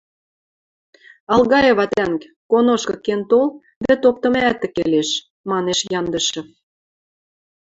— Алгаева тӓнг, коношкы кен тол, вӹд оптымы ӓтӹ келеш, — манеш Яндышев.